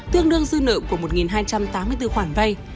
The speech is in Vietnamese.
tương đương dư nợ của một hai trăm tám mươi bốn khoản vay